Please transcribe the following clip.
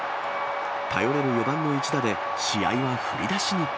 頼れる４番の一打で試合は振り出しに。